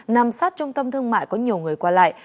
nằm sát trung tâm thương mại có nhiều người qua lại